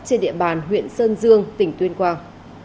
trên địa bàn huyện sơn dương tỉnh tuyên quang